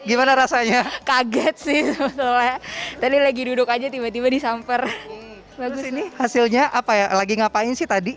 ini hasilnya apa ya lagi ngapain sih tadi